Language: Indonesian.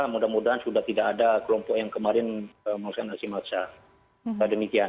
mudah mudahan sudah tidak ada kelompok yang kemarin mengusahakan nasi matahari